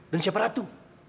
dan siapa ratu